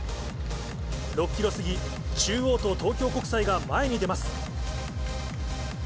６キロ過ぎ、中央と東京国際が前に出ます。